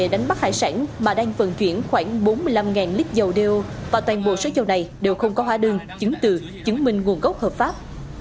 đánh bắt hải sản mà đang vận chuyển khoảng bốn mươi năm lít dầu đeo và toàn bộ số dầu này đều không có hóa đơn chứng từ chứng minh nguồn gốc hợp pháp